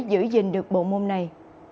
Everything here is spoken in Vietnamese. giữ gìn được bộ môn này